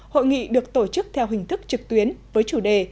hội nghị được tổ chức theo hình thức trực tuyến với chủ đề